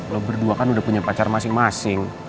loh berdua kan udah punya pacar masing masing